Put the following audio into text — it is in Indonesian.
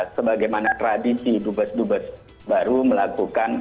sebagaimana tradisi dubes dubes baru melakukan